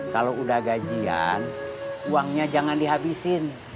kalau udah gajian uangnya jangan dihabisin